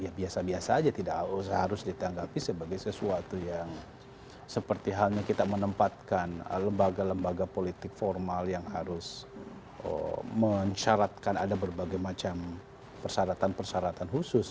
ya biasa biasa saja tidak harus ditanggapi sebagai sesuatu yang seperti halnya kita menempatkan lembaga lembaga politik formal yang harus mencaratkan ada berbagai macam persyaratan persyaratan khusus